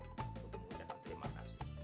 untuk mengucapkan terima kasih